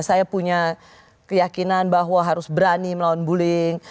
saya punya keyakinan bahwa harus berani melawan bullying